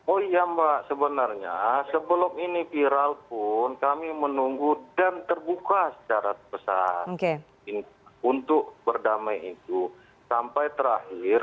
oh iya mbak sebenarnya sebelum ini viral pun kami menunggu dan terbuka secara besar untuk berdamai itu sampai terakhir